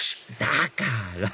だから！